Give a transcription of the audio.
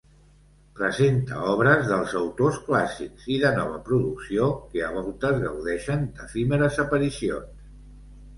Presenta obres dels autors clàssics i de nova producció que a voltes gaudeixen d'efímeres aparicions.